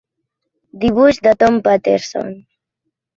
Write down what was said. Dibuix de Tom Paterson.